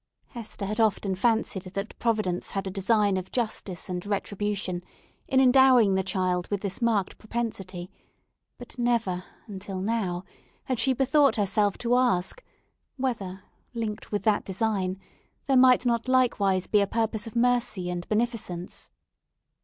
Hester had often fancied that Providence had a design of justice and retribution, in endowing the child with this marked propensity; but never, until now, had she bethought herself to ask, whether, linked with that design, there might not likewise be a purpose of mercy and beneficence.